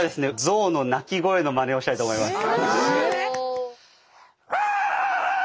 ゾウの鳴き声のまねをしたいと思います。